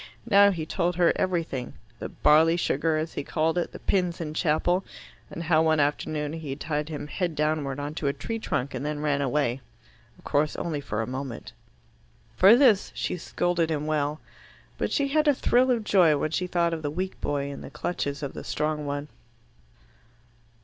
Now he told her everything, the "barley sugar," as he called it, the pins in chapel, and how one afternoon he had tied him head downward on to a tree trunk and then ran away of course only for a moment. For this she scolded him well. But she had a thrill of joy when she thought of the weak boy in the clutches of the strong one.